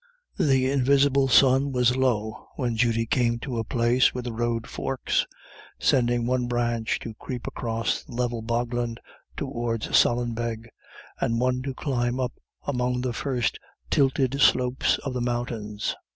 The invisible sun was low when Judy came to a place where the road forks, sending one branch to creep across the level bogland towards Sallinbeg, and one to climb up among the first tilted slopes of the mountains.